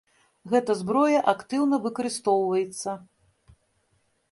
Гэта зброя актыўна выкарыстоўвацца.